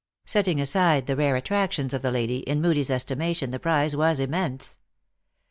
Setting aside the rare attractions of the lady, in Moodie s es timation the prize was immense.